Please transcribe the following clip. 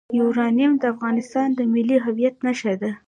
یورانیم د افغانستان د ملي هویت نښه ده.